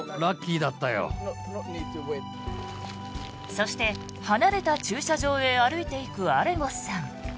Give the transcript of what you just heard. そして、離れた駐車場へ歩いていくアレゴスさん。